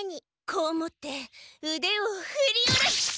こう持ってうでをふり下ろす！